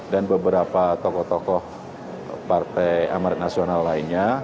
dan beberapa tokoh tokoh partai amret nasional lainnya